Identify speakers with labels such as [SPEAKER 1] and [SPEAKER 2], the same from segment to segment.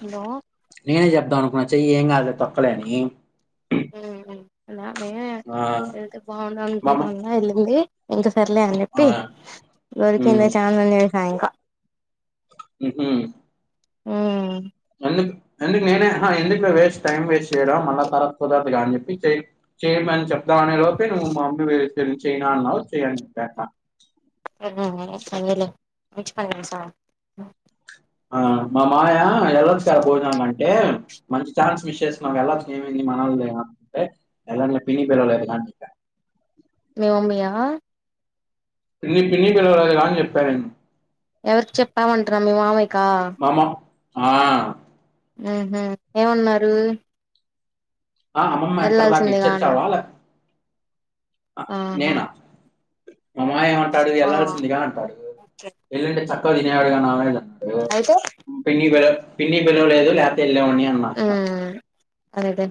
[SPEAKER 1] Hello
[SPEAKER 2] నేనే చెప్దాం అనుకున్న చెయ్యి ఏం కాదు లె తొక్కలే అని
[SPEAKER 1] అలా మే
[SPEAKER 2] ఆ
[SPEAKER 1] వెళ్తే బాగుండాల
[SPEAKER 2] మామ
[SPEAKER 1] అనుకుంటా ఉంది వెళ్ళింది ఇంకా సర్లే అని
[SPEAKER 2] ఆ
[SPEAKER 1] చెప్పి
[SPEAKER 2] ఉమ్
[SPEAKER 1] దొరికిందె ఛాన్స్ అని చెప్పిన ఇంకా
[SPEAKER 2] ఉహు
[SPEAKER 1] ఊ
[SPEAKER 2] మళ్ళీక్ మళ్ళీ నేనె హ ఎందుకు లె వేస్ట్ టైం వేస్ట్ చేయడం మళ్ళా అ కుదరదుగా అని చెప్పి చే చేయమని చెప్దామ అనే లోేపె నువ్వు మా మమ్మీ నేను చేయనా అన్నావ్ చెయ్ అని చెప్పా అట్లా
[SPEAKER 1] సరేలే మంచి పని చేశావు
[SPEAKER 2] ఆ మామయ్య ఎలచ్చ భోజనాలు అంటే మంచి ఛాన్స్ మిస్ చేసుకున్నవ్ వెళ్లొచ్చు కదా ఏమైంది మనోళ్లదేగా అంటే ఎల్లనులే పిన్ని పిల్వలేదు గా అని చెప్పా
[SPEAKER 1] మీ మమ్మీయా
[SPEAKER 2] పిన్ని పిన్ని పిలవలేదుగా అని చెప్పా నేను
[SPEAKER 1] ఎవరికి చెప్పావు అంటున్న మీ మామయ్యక
[SPEAKER 2] మా అమ్మ ఆ
[SPEAKER 1] ఉహు ఏమన్నారు
[SPEAKER 2] ఆ అమ్మమ్మ [unintelligible]
[SPEAKER 1] వెళ్ళాల్సిందిగా అన్న
[SPEAKER 2] ఇచ్చొచ్చావా లే అ
[SPEAKER 1] ఆహా
[SPEAKER 2] నేనా మామాయ ఏమంటాడు
[SPEAKER 1] ఆ
[SPEAKER 2] వెళ్ళాల్సిందిగా అంటాడు వెళ్ళుంటే చక్కగా తినేవాడు గా నా మాదిరిగా ఓ
[SPEAKER 1] అయితే
[SPEAKER 2] పిన్ని పిల పిన్ని పిలవలేదు లేకపోతే వెళ్లేవాణ్ణి అన్న మార్తా
[SPEAKER 1] అరే దే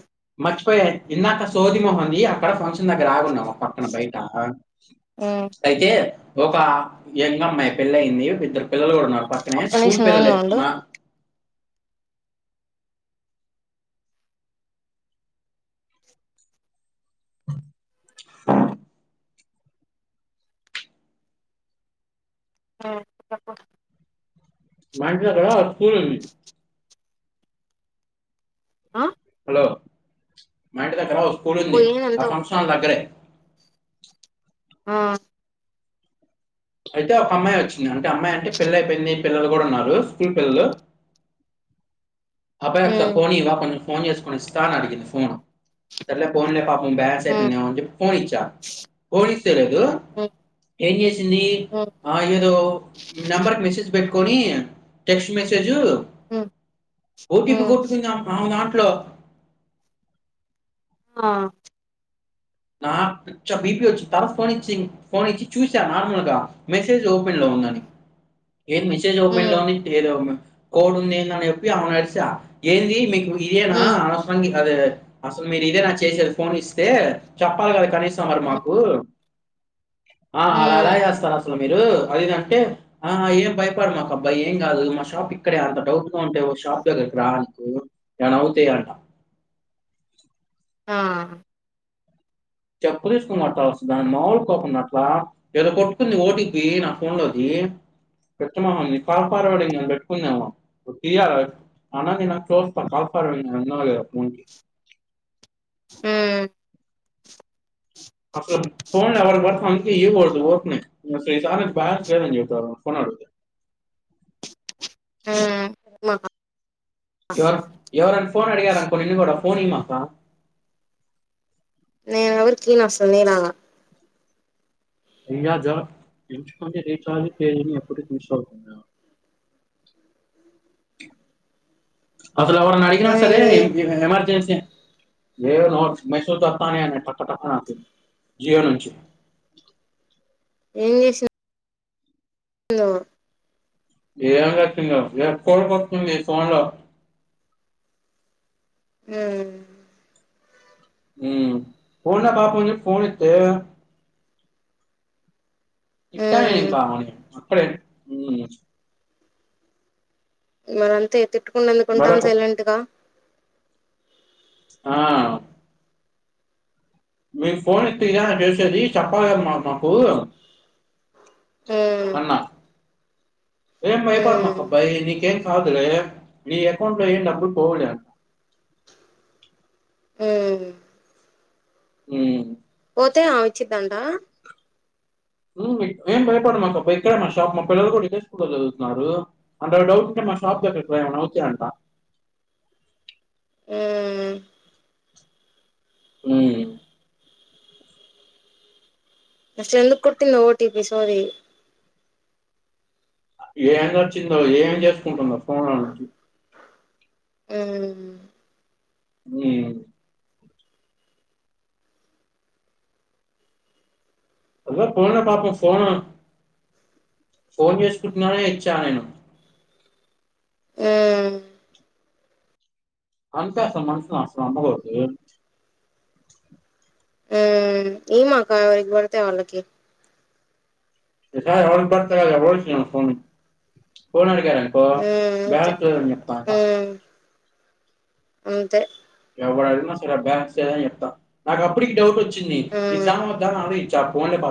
[SPEAKER 2] లక్ష్మయ్య ఇందాక సోది మొఖం ది అక్కడ ఫంక్షన్ దగ్గర ఆగి ఉన్నాం ఓక పక్కన బయట అ
[SPEAKER 1] ఉమ్
[SPEAKER 2] అయితే ఒక ఎంగ్ అమ్మాయి పెళ్లి అయింది ఇద్దరు పిల్లలు కూడా ఉన్నారు పక్కనే
[SPEAKER 1] ఒక్క
[SPEAKER 2] స్కూల్
[SPEAKER 1] నిమిషం లైన్
[SPEAKER 2] పిల్లలే
[SPEAKER 1] లో ఉండు
[SPEAKER 2] మా బుర్రు
[SPEAKER 1] చెప్పు
[SPEAKER 2] మా ఇంటి దగ్గర ఓ స్కూల్ ఉంది
[SPEAKER 1] ఆ
[SPEAKER 2] మా హలో! ఇంటి దగ్గరా ఓ స్కూల్ ఉంది ఆ
[SPEAKER 1] పోయేదంతో
[SPEAKER 2] ఫంక్షన్ హాల్ దగ్గరే
[SPEAKER 1] ఆ
[SPEAKER 2] అయితే ఒక అమ్మాయి వచ్చింది అంటే అమ్మాయి అంటే పేల్లి అయిపోయింది పిల్లలు కూడా ఉన్నారు స్కూల్ పిల్లలు
[SPEAKER 1] [unintelligible]
[SPEAKER 2] అబ్బాయి ఒకసారి
[SPEAKER 1] ఉమ్
[SPEAKER 2] ఫోన్ ఇయ్యావా కొంచెం ఫోన్ చేసుకోని ఇస్తా అని అడిగింది పోను సర్లే పోన్లే పాపం బ్యాలెన్స్
[SPEAKER 1] ఉమ్
[SPEAKER 2] అయిపోయిండెమో అని పోనీచ్చా ఫోన్ ఇస్తే
[SPEAKER 1] ఉమ్
[SPEAKER 2] [unintelligible] ఏం చేసింది
[SPEAKER 1] ఉమ్
[SPEAKER 2] ఆ ఏదో నెంబర్ మెసేజ్ పెట్టి కొని టెక్స్ట్ మెసేజు
[SPEAKER 1] హ
[SPEAKER 2] ఓ టీ పీ కొట్టుకుంది ఆమె దాంట్లో
[SPEAKER 1] ఆ
[SPEAKER 2] నా బిపి వచ్చి తర్వాత ఫోనిచ్చి ఫోన్ ఇచ్చి చూసా నార్మల్ గా మెసేజ్ ఓపెన్ లో నీ
[SPEAKER 1] [unintelligible]
[SPEAKER 2] ఏది మెసేజ్
[SPEAKER 1] ఉమ్
[SPEAKER 2] ఓపెన్ లోని ఏ కోడ్ ఉంది ఎండి అని చెప్పి అమేనడిశా ఏది మీకు ఇదేనా
[SPEAKER 1] ఉమ్
[SPEAKER 2] అనవసరం కాదు అసలు మీరు ఇదేనా చేసేది ఫోన్ ఇస్తే చెప్పాలి కదా కనీసం మరి
[SPEAKER 1] ఉమ్
[SPEAKER 2] మాకు ఆ అలా ఎల చేస్తారు అసలు మీరు అదిదంటే ఆ ఏం భైపడు మాకు అబ్బా ఏం కాదు మా షాప్ ఇక్కడే అంత డౌట్ గా ఉంటే షాప్ దగ్గరికి ద నువ్వు ఏమైనా అవుతే అంట
[SPEAKER 1] ఆ
[SPEAKER 2] చెప్పు తీసుకుని కొట్టాల్సింది దాని మాములు కోపం అట్లా ఏదో కొట్టుకుంది ఓటీపీ నా ఫోన్ లోకి [unintelligible] ఫస్ట్ ఫర్వాడింగ్ అని పెట్టుకున్దేమో తీయాల అన్నం తిన్నాక చూస్తా ఫస్ట్ ఫర్వాడింగ్ ఉన్నదొ లేదో ఫోన్ కి
[SPEAKER 1] హ్మ్
[SPEAKER 2] అసలు ఫోన్ ఎవరికి బడితే వల్ల కీయకూడదు ఉరికనే [unintelligible]
[SPEAKER 1] హ
[SPEAKER 2] ఎవరు ఎవరైనా పోన్ అడిగారనుకో నిన్ను కూడా ఫోన్ ఇవ్వమాకు
[SPEAKER 1] నేను ఎవరికి ఇయ్యను నా ఫోన్ గిన
[SPEAKER 2] ఇయ్యాదు [unintelligible] అసలు ఎవరన్నా అడిగిన సరే
[SPEAKER 1] ఏమైంది
[SPEAKER 2] ఎమర్జెన్సీ ఇగో మెసేజ్ లు టపా టపా నొక్కింది జియో నుంచి
[SPEAKER 1] ఏ విషయ [unintelligible]
[SPEAKER 2] ఏం కొట్టిందో ఊకె ఊకె వస్తుంది ఫోన్
[SPEAKER 1] హ్మ్
[SPEAKER 2] పోన్లే పాపం అని ఫోన్ ఇతే ఇట్టా
[SPEAKER 1] ఉమ్
[SPEAKER 2] చేసినవని అక్కడే హ్మ్
[SPEAKER 1] లేదంటే తిట్టుకుండా ఎందుకుంటాం
[SPEAKER 2] వాళ్ళకు
[SPEAKER 1] సైలెంట్ గా
[SPEAKER 2] ఆ మీకు ఫోన్ ఎత్తితే గా తెలిసేది, చెప్పాలిగా మా మాకు
[SPEAKER 1] ఉమ్
[SPEAKER 2] అన్నా. ఏం భయపడమాకు
[SPEAKER 1] ఉమ్
[SPEAKER 2] అబ్బాయ్ నీకేం కాదు లే నీ అకౌంట్ లో ఏం డబ్బులు పోవులే.
[SPEAKER 1] హ్మ్!
[SPEAKER 2] మ్ ఉ
[SPEAKER 1] పోతే ఆమచ్చిద్దంట
[SPEAKER 2] ఏం భయపడు మాకు అబ్బాయ్ ఇక్కడే మా షాప్ మా పిల్లలు కూడా ఇదే స్కూల్లో చదువుతున్నారు. అంతగా డౌట్ ఉంట ఆ షాప్ దగ్గర ఏమన్నా అవుతాయంట.
[SPEAKER 1] హ్మ్!
[SPEAKER 2] హ్మ్.
[SPEAKER 1] అస్ ఎందుకు కొట్ంద ఓటిపిి సారీ [unintelligible]
[SPEAKER 2] ఏం నచ్చిందో ఏం చేసుకుంటుందో ఫోన్
[SPEAKER 1] మ్!
[SPEAKER 2] మ్! హలో! పోనా పాపం పోనా? ఫోన్ చేసుకుంటున్నానే ఇచ్చా నేను.
[SPEAKER 1] మ్!
[SPEAKER 2] అంతేస మనసు నాస్తం అమ్మగతు [unintelligible]
[SPEAKER 1] మ్ ఈ మక్కా ఎవరికి పడితే వాళ్లకి.
[SPEAKER 2] స క ఫో ఫో [unintelligible] అనుకో,
[SPEAKER 1] ఉమ్ అంతే
[SPEAKER 2] బ్యాచులర్ మీ పాప.
[SPEAKER 1] ఉమ్ అంతే
[SPEAKER 2] ఎవ్వరిని అడిగిన చెప్పా సరే ఆ బ్యాచే ఇంత నాకు అప్పటికి డౌట్ వచ్చింది
[SPEAKER 1] ఉమ్
[SPEAKER 2] ఇద్దామా, వద్దా అని ఆలోచించా ఫోన్ ఇప్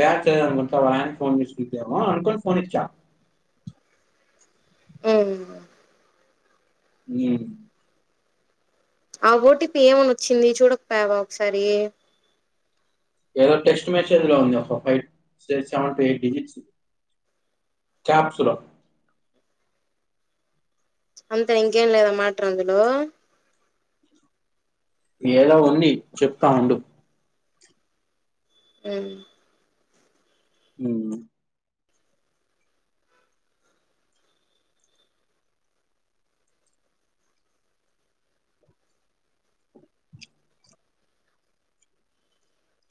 [SPEAKER 2] బ్యాచ్ మొత్తం ఆయన చూసుంటుందేమో అనుకోని ఫోన్ ఇచ్చా.
[SPEAKER 1] మ్!
[SPEAKER 2] హ్మ్!
[SPEAKER 1] ఆ ఓటిపి ఏమని వచ్చింది చూడకపోయావ ఒకసారి.
[SPEAKER 2] ఏదో టెస్ట్ మ్యాచ్ ఎందులో ఉంది ఒక five seven to eight digits. Caps లో
[SPEAKER 1] అంతే ఇంకేం లేదామాటలు అందులో
[SPEAKER 2] ఏదో ఉంది చెప్తా ఉండు.
[SPEAKER 1] హ్మ్!
[SPEAKER 2] మ్!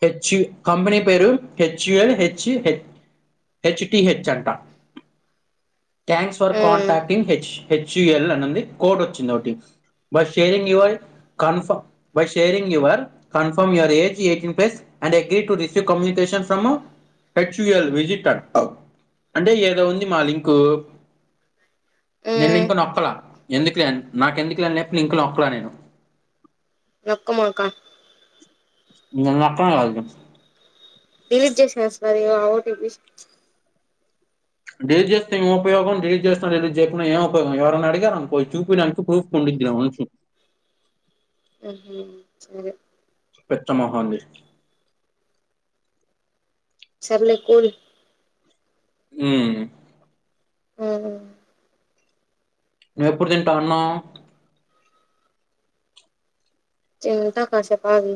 [SPEAKER 2] హెచ్ యు కంపెనీ పేరు HUL H H H T H అంట. Thanks for
[SPEAKER 1] hmm
[SPEAKER 2] contacting H HUL అనిఉంది కోడ్ వచ్చింది ఒకటి. For sharing your by sharing your confirm your age eighteen plus and agree to receive communication. న్ from టక్చుయల్ visit అ అంటే ఏదో ఉంది మా link నేను
[SPEAKER 1] హ్మ్
[SPEAKER 2] ఇంకా నొక్కలా. ఎందుకులే నాకు ఎందుకులేని లింక్ నొక్కలా నేను
[SPEAKER 1] నొక్కమాకండి.
[SPEAKER 2] నేన్ నొక్కను గదా అది
[SPEAKER 1] డిలీట్ చేసేస్తున్నార ఆ ఓటీపీ.
[SPEAKER 2] డేలీట్ చేేస్తే ఏం ఉపయోగం డేలీట్ చేస్త ఎడిట్ చేయకుండా ఏం ఉపయోగం. ఎవరైనా అడిగారు అనుకో చూపడానికి ప్రూఫ్ ఉండిద్ది. గ్రాండ్ ఫ [unintelligible]
[SPEAKER 1] ఆ సరే
[SPEAKER 2] పిచ్చమొహంది
[SPEAKER 1] సార్ లే కూడు
[SPEAKER 2] ఉ
[SPEAKER 1] ఆ
[SPEAKER 2] నువ్వు ఎప్పుడు తింటావ్ అన్నం,
[SPEAKER 1] తింటా కాసేపు ఆగి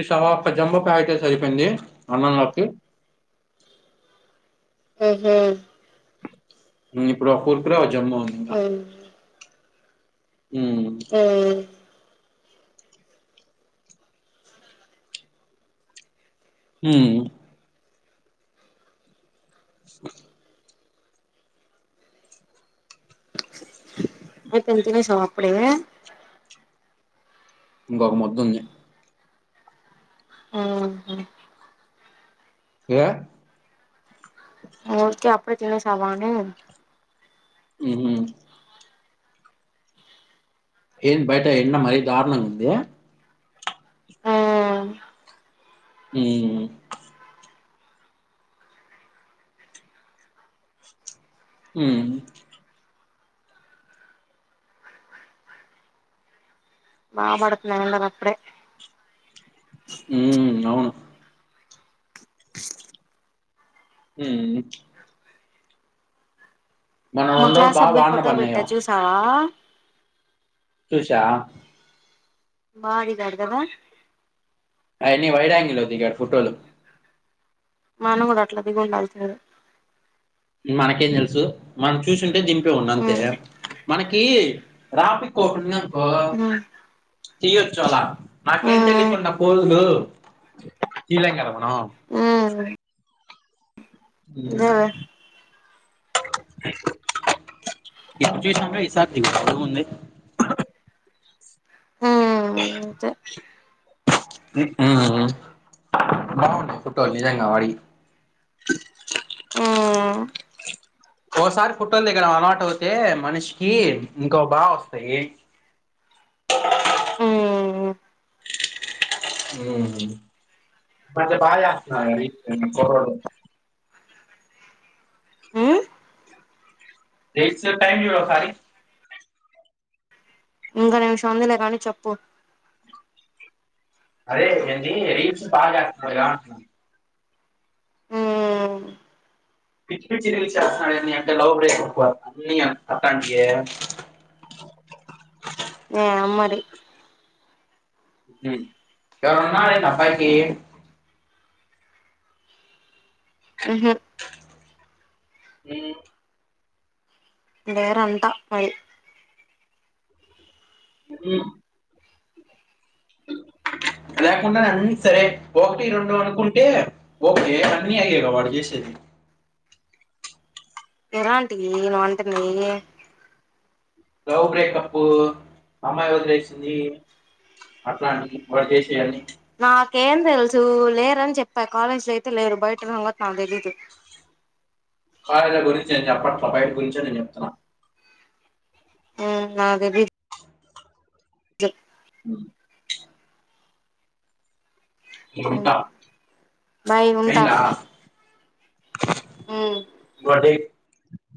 [SPEAKER 2] ఈసారి జంభో ప్యాకెట్ అయితే సరిపోయింది అన్నంలకి,
[SPEAKER 1] ఆహా
[SPEAKER 2] నేను ఇప్పుడే ఒక కుర్కురే, ఒక జంభో తిన్నా
[SPEAKER 1] హ్మ్ ఆ
[SPEAKER 2] ఉ [unintelligible]
[SPEAKER 1] ఇప్పుడు తినేసినవా అప్పుడే
[SPEAKER 2] ఇంకొక ముద్ద ఉంది
[SPEAKER 1] ఆహ
[SPEAKER 2] ఏ
[SPEAKER 1] ఓకే అప్పుడే తినేసవా అన్ని,
[SPEAKER 2] ఉ ఏది బయట ఎండ మరీ దారుణంగా ఉంది.
[SPEAKER 1] ఆ
[SPEAKER 2] ఉహు ఉ
[SPEAKER 1] బాగా కొడుతున్నాయి ఎండలు అప్పుడే,
[SPEAKER 2] ఉ అవును ఊఉ
[SPEAKER 1] మా
[SPEAKER 2] రెండు రోజులు
[SPEAKER 1] క్లాస్
[SPEAKER 2] బా
[SPEAKER 1] అబ్బాయి
[SPEAKER 2] వానలు
[SPEAKER 1] ఫోటో పెట్టా
[SPEAKER 2] పడినాయిగా
[SPEAKER 1] చూసావ,
[SPEAKER 2] చూసా
[SPEAKER 1] బాగుంది గడుదదావ
[SPEAKER 2] అవన్ని వైరంగి లో దిగిన ఫొటోలు,
[SPEAKER 1] అవును మరి అట్లా దిగిండాల్సింది.
[SPEAKER 2] నకేం తెలుసు మనం చూసింటే దింపే వాని అంతే
[SPEAKER 1] ఉమ్
[SPEAKER 2] మనకి, రాఫి కో సునాన్
[SPEAKER 1] అ
[SPEAKER 2] తీయొచ్చోలా నాకేం తెలియకుండా ఫోజు తీయలేము కదా మనం ఆ
[SPEAKER 1] ఉమ్
[SPEAKER 2] ఉ
[SPEAKER 1] అదేలే [unintelligible]
[SPEAKER 2] ఎం చేస్తాంది ఇ సారి తీయి ముందు ముందే,
[SPEAKER 1] హ అతే
[SPEAKER 2] ఆ బాగుంటది ఫోటో తీయాంక ఆయిల్
[SPEAKER 1] ఉమ్
[SPEAKER 2] ఓసారి పుట్టటింది ఇక్కడ అలవాటు అవుతే మనిషికి ఇంకో బాగా వస్తాయి.
[SPEAKER 1] అ
[SPEAKER 2] ఉ బాగా డ్యా చేస్తున్నారండి నేను ఇంకో రోజు ఉంటా,
[SPEAKER 1] ఉమ్
[SPEAKER 2] లెట్స్ టైమ్ యువర్ హరిప్
[SPEAKER 1] ఇరవై నిమిషం అందిలే కానీ చెప్పు,
[SPEAKER 2] అదే ఎంది రీల్స్ బాగా అధితున్నాడుగా అటున
[SPEAKER 1] ఉమ్
[SPEAKER 2] పిచ్చి పిచి వి చేస్తాన్న అంటే లవ్ బ్రేక్క్ అన్న అతంటయే
[SPEAKER 1] ఆ మరి
[SPEAKER 2] ఎవరన్నా ఉన్నారా పైకి
[SPEAKER 1] ఉహు
[SPEAKER 2] ఉ
[SPEAKER 1] లేరంట పై
[SPEAKER 2] ఉంహు
[SPEAKER 1] ఆ
[SPEAKER 2] లేకుండానే అన్ని సరే ఒకటి రెండు అనుకుంటే ఓకే అన్నీ అయే గా వాడు చేసేది
[SPEAKER 1] ఆ ఎలాంటి ఏమో అంటుంది
[SPEAKER 2] లవ్ బ్రేకపు అమ్మాయి వదిలేసింది అట్లా వి వాడు చేసే అన్ని
[SPEAKER 1] నాకేం తెలుసు లేరని చెప్పా కాలేజ్ లో అయితే లేరు బయట ఉన్నట్ నాకు తెలీదు
[SPEAKER 2] కాలేజ్ లో గురించి నేను చెప్పట్లే బయట గురించే నేను చెప్తున్నా
[SPEAKER 1] ఉమ్ నా తెలీదు ద్
[SPEAKER 2] ఉమ్ ఉంటా
[SPEAKER 1] బై ఉంటా ఉమ్
[SPEAKER 2] గాటి